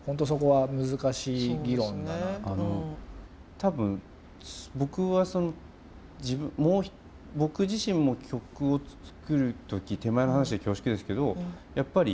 多分僕は僕自身も曲を作る時手前の話で恐縮ですけどやっぱり